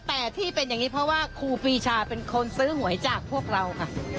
แต่ที่เป็นอย่างนี้เพราะว่าครูปีชาเป็นคนซื้อหวยจากพวกเราค่ะ